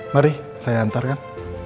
mari saya hantar kan